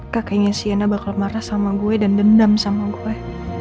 kakaknya si enah bakal marah sama gue dan dendam sama gue